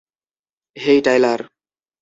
হেই, Tyler!